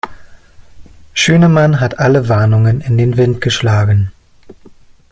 Schünemann hat alle Warnungen in den Wind geschlagen.